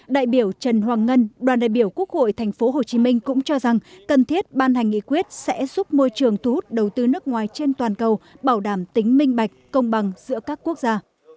đại biểu trần hoàng ngân đoàn đại biểu quốc hội tp hcm cũng cho rằng cần thiết ban hành nghị quyết sẽ giúp môi trường thu hút đầu tư nước ngoài trên toàn cầu bảo đảm tính minh bạch công bằng giữa các quốc gia